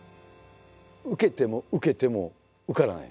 受けても受けても受からない。